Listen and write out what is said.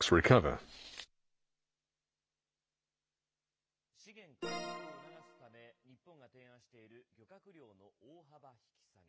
焦点は、資源回復を促すため日本が提案している、漁獲量の大幅引き下げ。